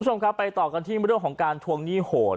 คุณผู้ชมครับไปต่อกันที่เรื่องของการทวงหนี้โหด